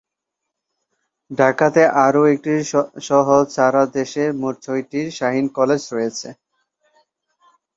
ঢাকাতে আরও একটি সহ সারা দেশে মোট ছয়টি শাহীন কলেজ রয়েছে।